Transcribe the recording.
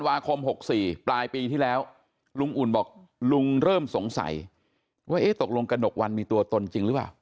วาคม๖๔ปลายปีที่แล้วลุงอุ่นบอกลุงเริ่มสงสัยว่าเอ๊ะตกลงกระหนกวันมีตัวตนจริงหรือเปล่า